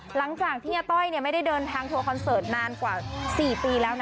หลังจากที่อาต้อยไม่ได้เดินทางทัวร์คอนเสิร์ตนานกว่า๔ปีแล้วนะ